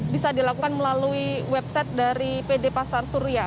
bisa dilakukan melalui website dari pd pasar suria